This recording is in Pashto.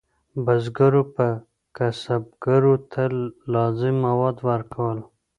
بزګرو به کسبګرو ته لازم مواد ورکول.